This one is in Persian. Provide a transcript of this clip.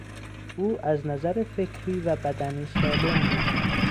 او از نظر فکری و بدنی سالم بود.